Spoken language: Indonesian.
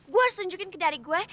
gue harus tunjukin ke daryl gue